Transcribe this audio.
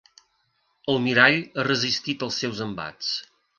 El mirall ha resistit el seus embats.